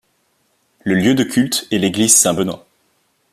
Le lieu de culte est l'église Saint-Benoît.